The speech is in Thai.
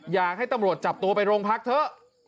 อยากให้ตำรวจจับตัวไปโรงพักเถอะ